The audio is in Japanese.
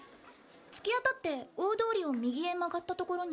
突き当たって大通りを右へ曲がった所に。